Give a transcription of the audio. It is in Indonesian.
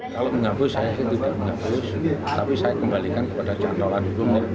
kalau menghapus saya juga menghapus tapi saya kembalikan kepada cantola hukum